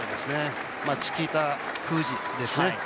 チキータ封じですね。